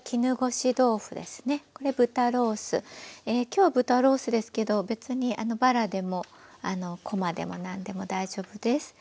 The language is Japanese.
今日は豚ロースですけど別にばらでもこまでも何でも大丈夫です。